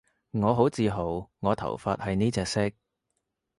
我好自豪我頭髮係呢隻色